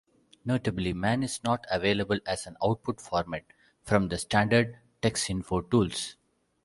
Notably, man is not available as an output format from the standard Texinfo tools.